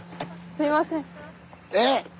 すいません。